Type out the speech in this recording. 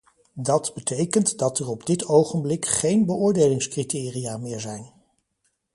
Dat betekent dat er op dit ogenblik geen beoordelingscriteria meer zijn.